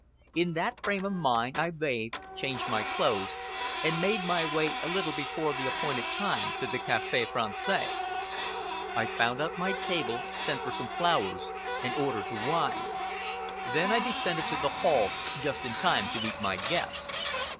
In that frame of mind I bathed, changed my clothes, and made my way a little before the appointed time to the Café Français. I found out my table, sent for some more flowers, and ordered the wine. Then I descended to the hall just in time to meet my guest.